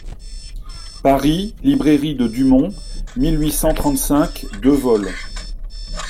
Paris, Librairie de Dumont, mille huit cent trente-cinq, deux vol.